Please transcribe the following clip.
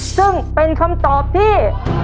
ซึ่งเป็นคำตอบที่